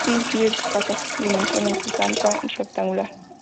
Es un edificio de escasas dimensiones de planta rectangular.